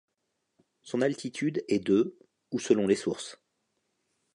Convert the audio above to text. Son altitude est de ou selon les sources.